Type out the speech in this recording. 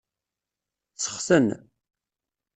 Sexten.